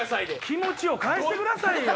気持ち良ぉ帰してくださいよ。